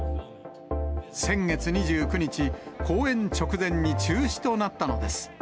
先月２９日、公演直前に中止となったのです。